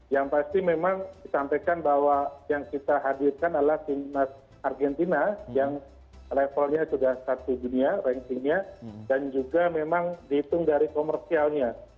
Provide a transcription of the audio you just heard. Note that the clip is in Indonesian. yang pasti memang disampaikan bahwa yang kita hadirkan adalah timnas argentina yang levelnya sudah satu dunia rankingnya dan juga memang dihitung dari komersialnya